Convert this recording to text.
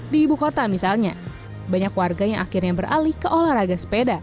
di ibu kota misalnya banyak warga yang akhirnya beralih ke olahraga sepeda